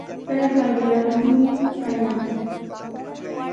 Payqa yawarniimi kallan.